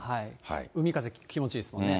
海風気持ちいいですよね。